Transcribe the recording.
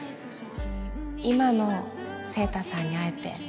今の晴太さんに会えて